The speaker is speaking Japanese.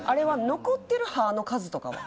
残ってる歯の数とかは？